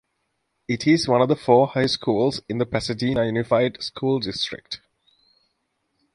It is one of four high schools in the Pasadena Unified School District.